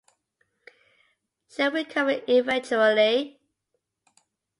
She will recover eventually.